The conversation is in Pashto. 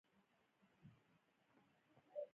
پریکړې باید عملي شي